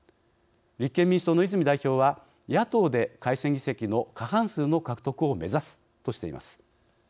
立憲民主党の泉代表は野党で改選議席の過半数の獲得を目指すとしています。